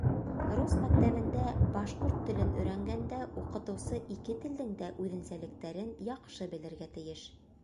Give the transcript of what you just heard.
Рус мәктәбендә башҡорт телен өйрәнгәндә уҡытыусы ике телдең дә үҙенсәлектәрен яҡшы белергә тейеш.